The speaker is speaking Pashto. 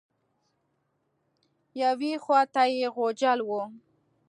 یوې خوا ته یې غوجل وه.